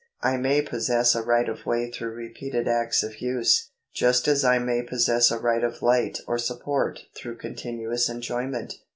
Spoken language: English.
I may possess a right of way through repeated acts of use, just as I may possess a right of light or support through continuous enjoyment.